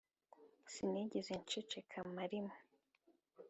sinigeze nceceka marimwe